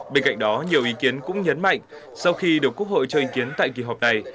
bên cạnh đó nhiều ý kiến cũng nhấn mạnh sau khi được quốc hội cho ý kiến tại kỳ họp này